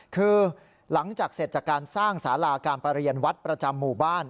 คือหลังจากเสร็จจากการสร้างสาราการประเรียนวัดประจำหมู่บ้าน